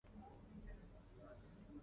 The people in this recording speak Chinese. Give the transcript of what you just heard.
早年师从楼郁。